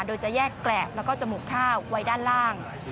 โดยจะแยกแกรบแล้วก็จมูกข้าวไว้ด้านล่าง